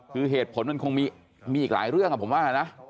คือเหตุผลมันคงมีอีกหลายเรื่องผมว่านะ